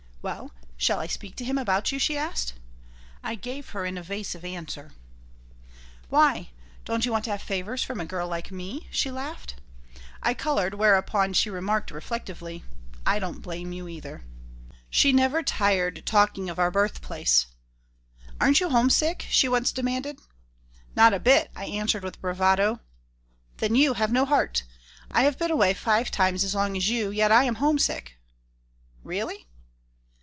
"Well, shall I speak to him about you?" she asked. I gave her an evasive answer "Why, don't you want to have favors from a girl like me?" she laughed I colored, whereupon she remarked, reflectively: "I don't blame you, either." She never tired talking of our birthplace. "Aren't you homesick?" she once demanded "Not a bit," I answered, with bravado "Then you have no heart. I have been away five times as long as you, yet I am homesick." "Really?"